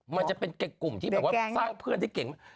มันจะเป็นกลุ่มที่แบบว่าสร้างเพื่อนที่เก่งมาก